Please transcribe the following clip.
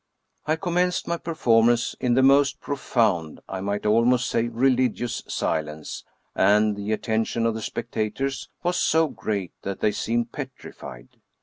I commenced my performance in the most profound, I might almost say religious, silence, and the attention of the spectators was so great that they seemed petrified.